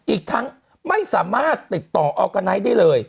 อีกทั้งไม่สามารถติดต่อออร์กาไนท์ได้เลย